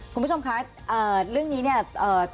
คุณผู้ชมคะเรื่องนี้เนี่ย